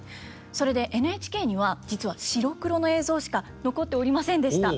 それでＮＨＫには実は白黒の映像しか残っておりませんでした。